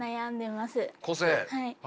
はい。